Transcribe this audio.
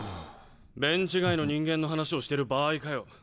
ベンチ外の人間の話をしてる場合かよ。